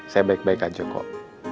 saya baik baik aja kok